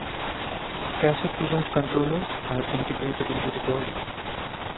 Cassette Vision's controllers are integrated into the body.